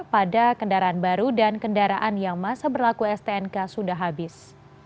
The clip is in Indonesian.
pada kendaraan baru dan kendaraan yang masa berlaku stnk sudah habis